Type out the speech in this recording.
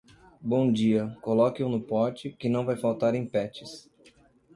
Bom dia, coloque-o no pote, que não vai faltar em patches.